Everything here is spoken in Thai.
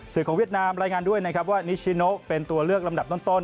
สื่อของเวียดนามรายงานด้วยว่านิซิโนะเป็นตัวเลือกลำดับต้น